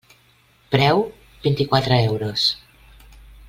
Preu: vint-i-quatre euros.